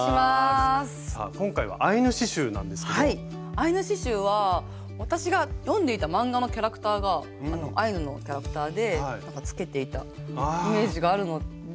アイヌ刺しゅうは私が読んでいた漫画のキャラクターがアイヌのキャラクターでなんかつけていたイメージがあるので。